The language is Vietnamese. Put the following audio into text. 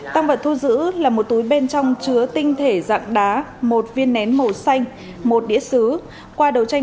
tăng vật thu giữ là một tuổi đàn ông không rõ địa chỉ với số tiền ba mươi triệu đồng